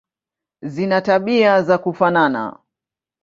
Zina tabia za kufanana.